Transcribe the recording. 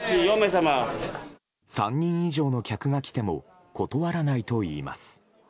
３人以上の客が来ても断らないといいます。